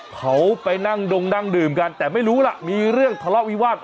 เขาไปนั่งดงนั่งดื่มกันแต่ไม่รู้ล่ะมีเรื่องทะเลาะวิวาส